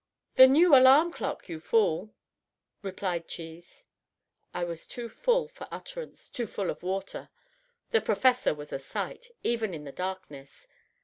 "The new alarm clock, you fool," replied Cheese. I was too full for utterance too full of water. The Professor was a sight, even in the darkness.